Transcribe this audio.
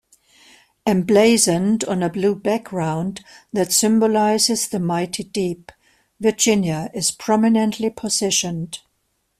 "Emblazoned on a blue background that symbolizes the mighty deep, "Virginia" is prominently positioned.